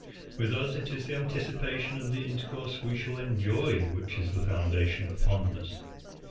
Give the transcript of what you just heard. With us, it is the anticipation of the intercourse we shall enjoy which is the foundation of fondness.